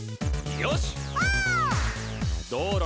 「よし！」